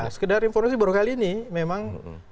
sekedar informasi baru kali ini memang